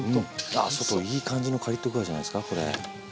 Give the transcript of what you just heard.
あ外いい感じのカリッと具合じゃないですかこれ。